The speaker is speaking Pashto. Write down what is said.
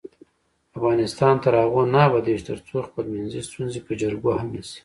افغانستان تر هغو نه ابادیږي، ترڅو خپلمنځي ستونزې په جرګو حل نشي.